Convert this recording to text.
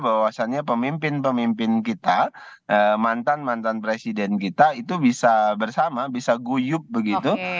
bahwasannya pemimpin pemimpin kita mantan mantan presiden kita itu bisa bersama bisa guyup begitu